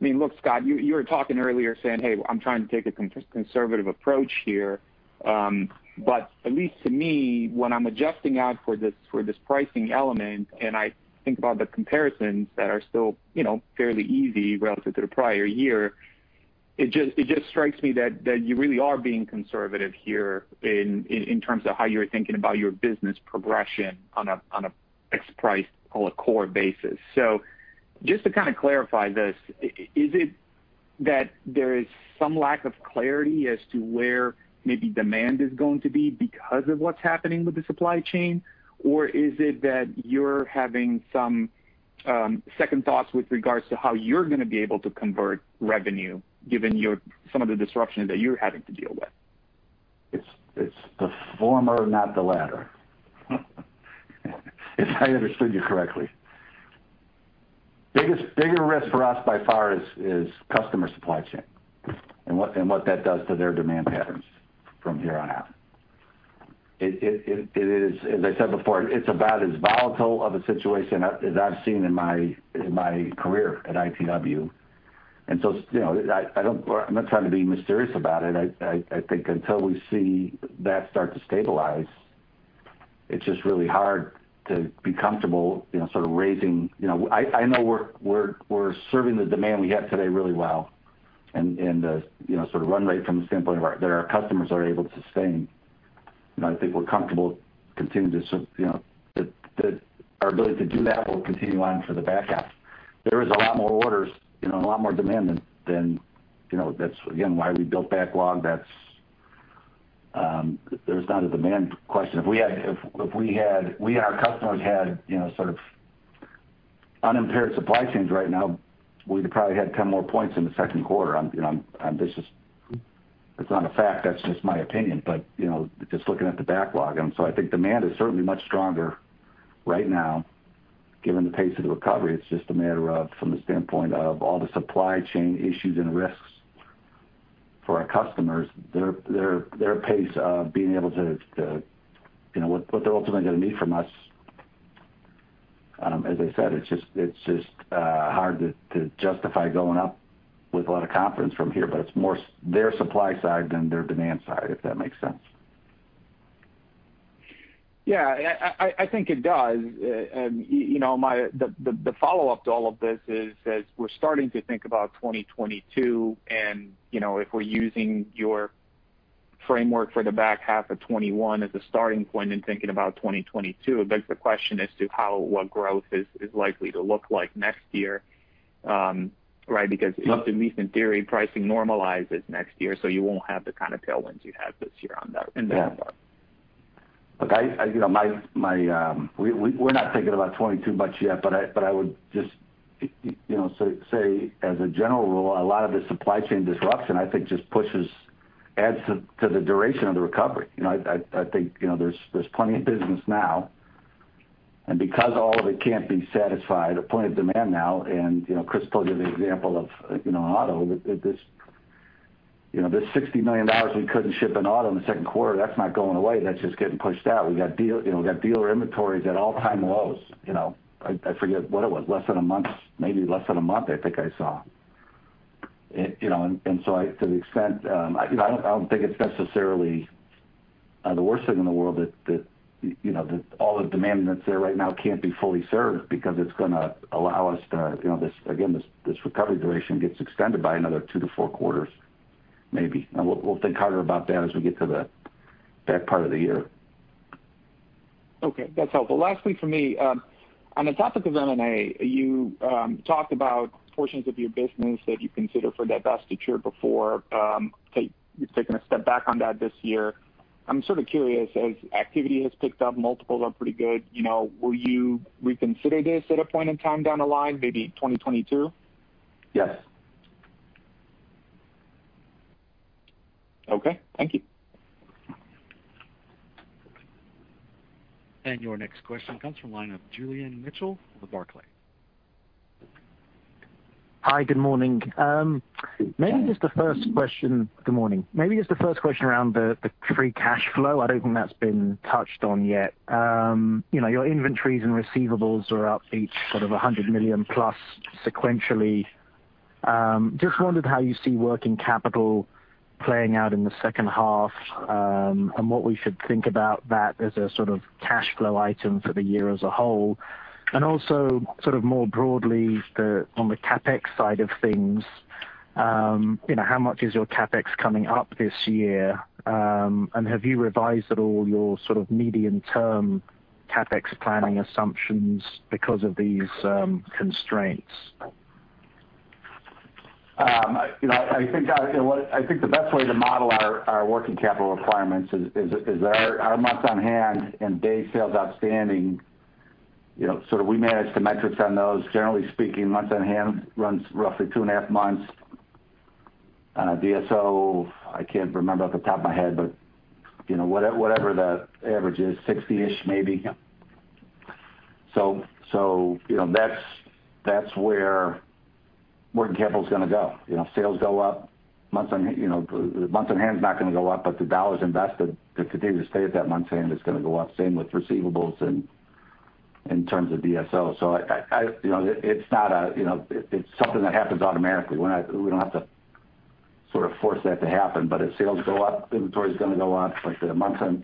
Look, Scott, you were talking earlier saying, "Hey, I'm trying to take a conservative approach here." At least to me, when I'm adjusting out for this pricing element, and I think about the comparisons that are still fairly easy relative to the prior year, it just strikes me that you really are being conservative here in terms of how you're thinking about your business progression on a ex price call a core basis. Just to kind of clarify this, is it that there is some lack of clarity as to where maybe demand is going to be because of what's happening with the supply chain, or is it that you're having some second thoughts with regards to how you're going to be able to convert revenue given some of the disruption that you're having to deal with? It's the former, not the latter. If I understood you correctly. Bigger risk for us by far is customer supply chain and what that does to their demand patterns from here on out. As I said before, it's about as volatile of a situation as I've seen in my career at ITW. I'm not trying to be mysterious about it. I think until we see that start to stabilize, it's just really hard to be comfortable sort of raising. I know we're serving the demand we have today really well, and the sort of run rate from the standpoint that our customers are able to sustain. I think we're comfortable. Our ability to do that will continue on for the back half. There is a lot more orders, and a lot more demand than that's, again, why we built backlog. There's not a demand question. If our customers had sort of unimpaired supply chains right now, we'd probably had 10 more points in the second quarter. That's not a fact, that's just my opinion, but just looking at the backlog. I think demand is certainly much stronger right now given the pace of the recovery. It's just a matter of, from the standpoint of all the supply chain issues and risks for our customers, their pace of being able to what they're ultimately going to need from us. As I said, it's just hard to justify going up with a lot of confidence from here, but it's more their supply side than their demand side, if that makes sense. Yeah, I think it does. The follow-up to all of this is as we're starting to think about 2022, and if we're using your framework for the back half of 2021 as a starting point in thinking about 2022. A big question as to what growth is likely to look like next year, right? If, at least in theory, pricing normalizes next year, so you won't have the kind of tailwinds you had this year on that front. Yeah. Look, we're not thinking about 2022 much yet, but I would just say, as a general rule, a lot of the supply chain disruption, I think, just adds to the duration of the recovery. I think there's plenty of business now, and because all of it can't be satisfied, plenty of demand now, and Chris told you the example of auto. This $60 million we couldn't ship in auto in the second quarter, that's not going away. That's just getting pushed out. We got dealer inventories at all-time lows. I forget what it was, maybe less than a month, I think I saw. To the extent, I don't think it's necessarily the worst thing in the world that all the demand that's there right now can't be fully served because it's going to allow us to Again, this recovery duration gets extended by another 2-4 quarters maybe. We'll think harder about that as we get to the back part of the year. Okay, that's helpful. Lastly for me, on the topic of M&A, you talked about portions of your business that you consider for divestiture before taking a step back on that this year. I'm sort of curious, as activity has picked up, multiples are pretty good. Will you reconsider this at a point in time down the line, maybe 2022? Yes. Okay, thank you. Your next question comes from the line of Julian Mitchell of Barclays. Hi, good morning. Yeah. Good morning. Maybe just the first question around the free cash flow. I don't think that's been touched on yet. Your inventories and receivables are up each sort of $100 million plus sequentially. Just wondered how you see working capital playing out in the second half, and what we should think about that as a sort of cash flow item for the year as a whole. Also sort of more broadly, on the CapEx side of things, how much is your CapEx coming up this year? Have you revised at all your sort of medium-term CapEx planning assumptions because of these constraints? I think the best way to model our working capital requirements is our months on hand and day sales outstanding. Sort of we manage the metrics on those. Generally speaking, months on hand runs roughly two and half months. DSO, I can't remember off the top of my head, but whatever the average is, 60-ish maybe. Yep. That's where working capital's going to go. Sales go up, the months on hand's not going to go up, but the dollars invested that continue to stay at that month's end is going to go up. Same with receivables and in terms of DSO. It's something that happens automatically. We don't have to sort of force that to happen. As sales go up, inventory's going to go up. Like the months on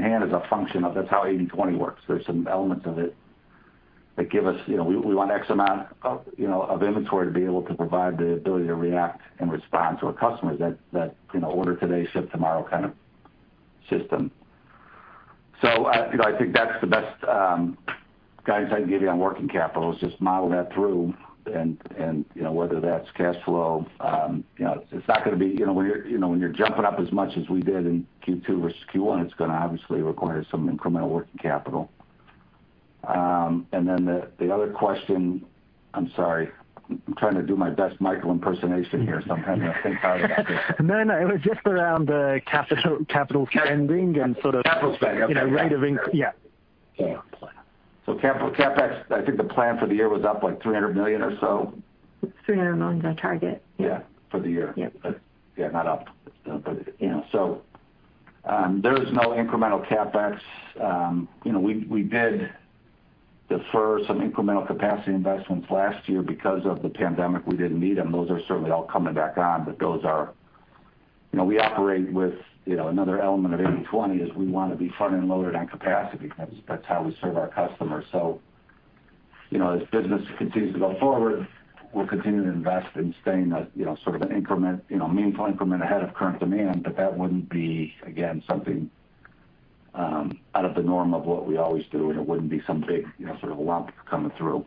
hand is a function of that's how 80/20 works. There's some elements of it that give us, we want X amount of inventory to be able to provide the ability to react and respond to our customers. That order today, ship tomorrow kind of system. I think that's the best guidance I can give you on working capital, is just model that through and whether that's cashflow. When you're jumping up as much as we did in Q2 versus Q1, it's going to obviously require some incremental working capital. The other question, I'm sorry, I'm trying to do my best Michael impersonation here, so I'm trying to think hard about this. No, it was just around the capital spending. Capital spend. Okay, yeah. rate of yeah. CapEx, I think the plan for the year was up, like $300 million or so. $300 million's our target. Yeah. For the year. Yeah. Yeah, not up. There's no incremental CapEx. We did defer some incremental capacity investments last year. Because of the pandemic, we didn't need them. Those are certainly all coming back on. Another element of 80/20 is we want to be front-end loaded on capacity. That's how we serve our customers. As business continues to go forward, we'll continue to invest in staying sort of a meaningful increment ahead of current demand. That wouldn't be, again, something out of the norm of what we always do, and it wouldn't be some big sort of lump coming through.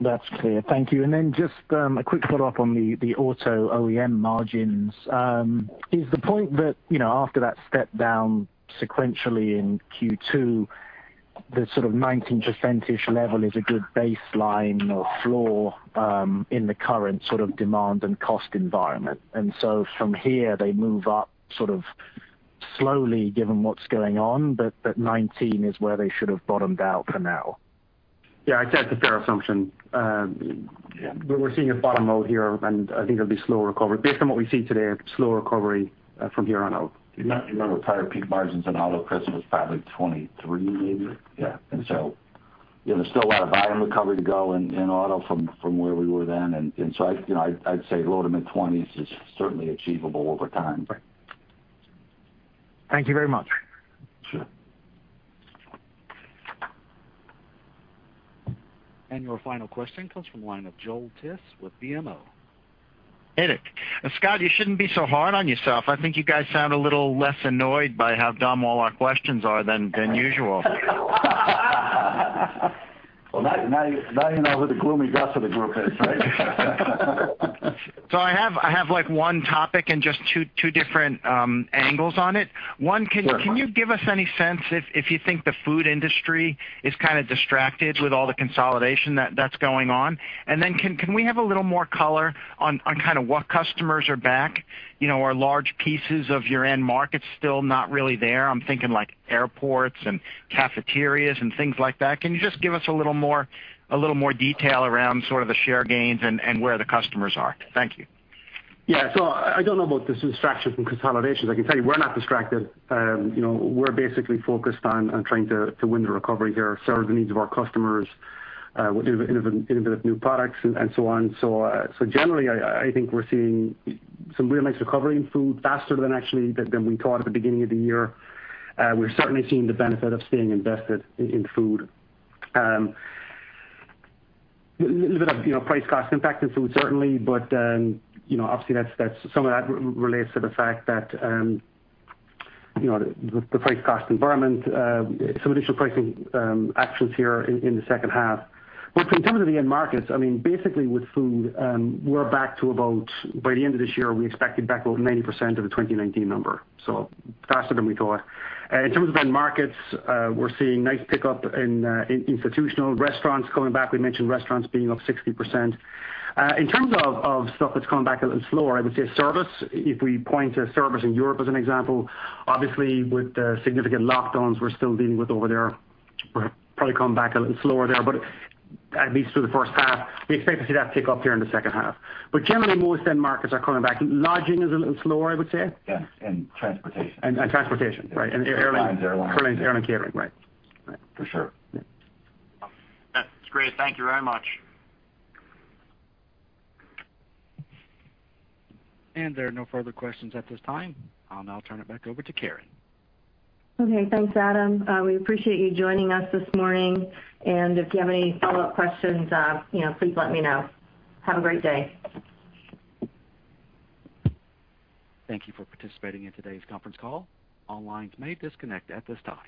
That's clear. Thank you. Just a quick follow-up on the Automotive OEM margins. Is the point that after that step down sequentially in Q2, the sort of 19%ish level is a good baseline or floor in the current sort of demand and cost environment? From here they move up sort of slowly given what's going on, but that 19% is where they should have bottomed out for now? Yeah, I'd say that's a fair assumption. We're seeing a bottom out here, and I think it'll be slow recovery. Based on what we see today, a slow recovery from here on out. Do you remember prior peak margins in auto, Chris? It was probably 23% maybe. Yeah. There's still a lot of volume recovery to go in auto from where we were then. I'd say low to mid-20s is certainly achievable over time. Right. Thank you very much. Sure. Your final question comes from the line of Joel Tiss with BMO. Hey, Nick. Scott, you shouldn't be so hard on yourself. I think you guys sound a little less annoyed by how dumb all our questions are than usual. Well, now you know who the gloomy gus of the group is, right? I have 1 topic and just 2 different angles on it. Sure. One, can you give us any sense if you think the food industry is kind of distracted with all the consolidation that's going on? Can we have a little more color on what customers are back? Are large pieces of your end markets still not really there? I'm thinking like airports and cafeterias and things like that. Can you just give us a little more detail around sort of the share gains and where the customers are? Thank you. Yeah. I don't know about this distraction from consolidations. I can tell you we're not distracted. We're basically focused on trying to win the recovery here, serve the needs of our customers, innovate new products, and so on. Generally, I think we're seeing some really nice recovery in Food Equipment faster than actually than we thought at the beginning of the year. We're certainly seeing the benefit of staying invested in Food Equipment. A little bit of price cost impact in Food Equipment, certainly, but obviously some of that relates to the fact that the price cost environment, some additional pricing actions here in the second half. In terms of the end markets, basically with Food Equipment, we're back to about, by the end of this year, we expect to be back about 90% of the 2019 number, so faster than we thought. In terms of end markets, we're seeing nice pickup in institutional restaurants coming back. We mentioned restaurants being up 60%. In terms of stuff that's coming back a little slower, I would say service, if we point to service in Europe as an example. Obviously, with the significant lockdowns we're still dealing with over there, we're probably coming back a little slower there, at least through the first half. We expect to see that pick up here in the second half. Generally, most end markets are coming back. Lodging is a little slower, I would say. Yes, and transportation. Transportation, right. Airlines. Airlines, airline catering, right. For sure. Yeah. That's great. Thank you very much. There are no further questions at this time. I'll now turn it back over to Karen. Okay, thanks, Adam. We appreciate you joining us this morning, and if you have any follow-up questions, please let me know. Have a great day. Thank you for participating in today's conference call. All lines may disconnect at this time.